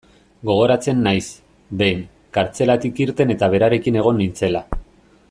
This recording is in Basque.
Gogoratzen naiz, behin, kartzelatik irten eta berarekin egon nintzela.